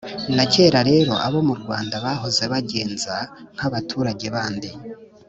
na cyera rero, abo mu rwanda bahoze bagenza nk’abaturage bandi